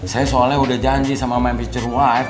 saya soalnya udah janji sama my future wife